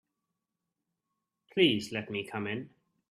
Please let me come in.